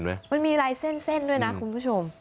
มันมีลายเส้นเส้นด้วยนะคุณผู้ชม